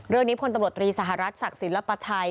เรื่องนี้พลตำรวจวรีสหรัฐศักดิ์ศาสตร์สินลับประชัย